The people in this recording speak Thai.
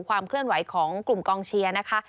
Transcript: ความเคลื่อนไหวของกลุ่มกองเชียร์นะคะ